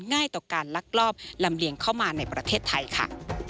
ง่ายต่อการลักลอบลำเลียงเข้ามาในประเทศไทยค่ะ